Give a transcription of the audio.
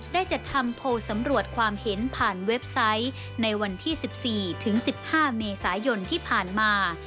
ได้จัดทำโพลสำรวจความเห็นผ่านเว็บไซต์ในวันที่๑๔ถึง๑๕เมษายนที่ผ่านมา